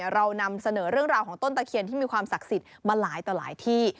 เรานำเสนอเรื่องราวของต้นตะเคียนที่มีความศักดิ์สิทธิ์มาหลายต่อหลายที่